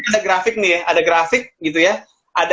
ini ada grafik nih ya ada grafik gitu ya